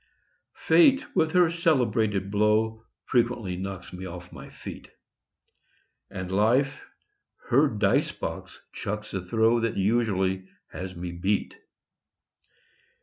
Fate with her celebrated blow Frequently knocks me off my feet; And Life her dice box chucks a throw That usually has me beat.